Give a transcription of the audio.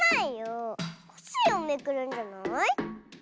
コッシーをめくるんじゃない？